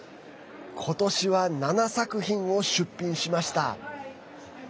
今年は７作品を出品しました。